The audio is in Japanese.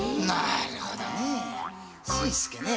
なるほど新助ね。